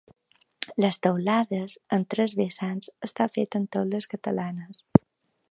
Les teulades, amb tres vessants, està feta amb teules catalanes.